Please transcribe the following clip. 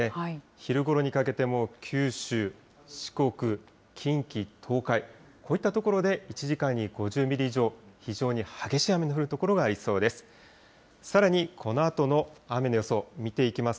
昼ごろにかけても、九州、四国、近畿、東海、こういった所で１時間に５０ミリ以上、非常に激しい雨の降る所がありそうです。